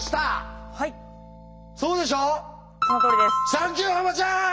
サンキューハマちゃん！